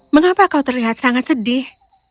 mengapa kau terlihat sangat sedih